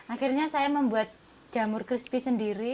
akhirnya saya membuat jamur crispy sendiri